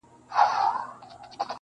له آوازه به یې ویښ ویده وطن سي-